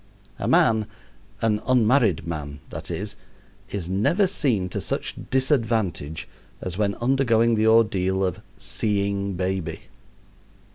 A man an unmarried man, that is is never seen to such disadvantage as when undergoing the ordeal of "seeing baby."